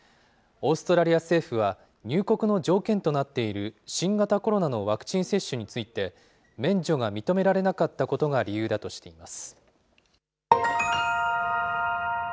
オーストラリア政府は、入国の条件となっている、新型コロナのワクチン接種について、免除が認められなかったことが理由だとしています。